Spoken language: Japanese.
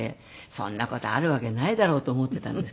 そんな事あるわけないだろと思っていたんですけど